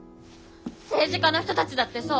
政治家の人たちだってそう！